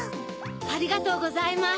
ありがとうございます。